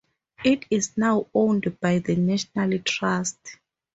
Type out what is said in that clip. It is now owned by the National Trust.